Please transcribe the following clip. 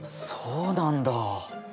そうなんだ。